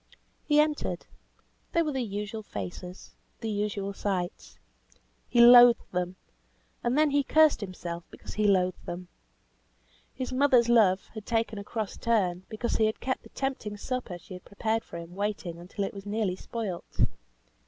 He entered. There were the usual faces, the usual sights. He loathed them, and then he cursed himself because he loathed them. His mother's love had taken a cross turn, because he had kept the tempting supper she had prepared for him waiting until it was nearly spoilt.